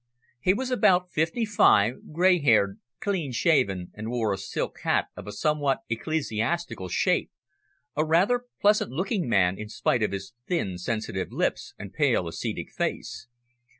He was about fifty five, grey haired, clean shaven and wore a silk hat of a somewhat ecclesiastical shape, a rather pleasant looking man in spite of his thin sensitive lips and pale ascetic face.